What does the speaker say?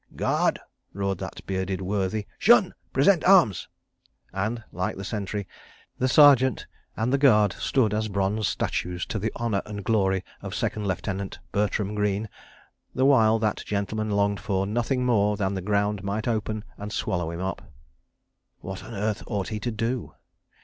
"Guard!" roared that bearded worthy, "'Shun! Present arms!" and, like the sentry, the Sergeant and the Guard stood as bronze statues to the honour and glory of Second Lieutenant Bertram Greene—the while that gentleman longed for nothing more than that the ground might open and swallow him up. What on earth ought he to do?